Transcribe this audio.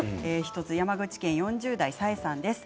山口県４０代の方からです。